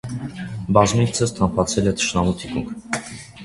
Բազմիցս թափանցել է թշնամու թիկունք։